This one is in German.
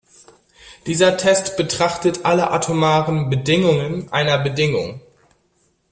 Dieser Test betrachtet alle atomaren Bedingungen einer Bedingung.